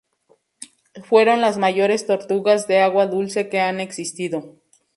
Fueron las mayores tortugas de agua dulce que han existido.